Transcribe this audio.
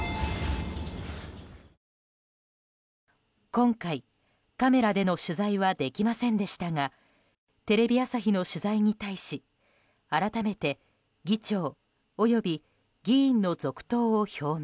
今回、カメラでの取材はできませんでしたがテレビ朝日の取材に対し改めて議長および議員の続投を表明。